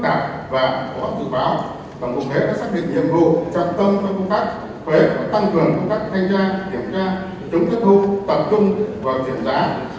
trọng tâm các công tác thuế và tăng trưởng các khay trang kiểm tra chống thất thu tập trung và triển giá